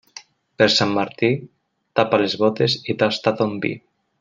Per Sant Martí, tapa les bótes i tasta ton vi.